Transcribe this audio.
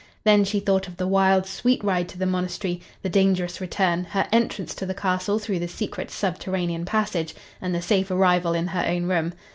Then she thought of the wild, sweet ride to the monastery, the dangerous return, her entrance to the castle through the secret subterranean passage and the safe arrival in her own room.